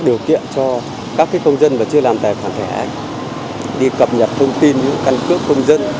điều kiện cho các công dân mà chưa làm tài khoản thẻ đi cập nhật thông tin những căn cước công dân